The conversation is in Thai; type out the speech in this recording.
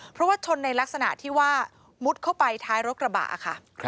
เพราะว่าชนในลักษณะที่ว่ามุดเข้าไปท้ายรถกระบะค่ะ